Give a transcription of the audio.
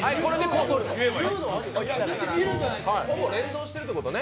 ほぼ連動しているってことね。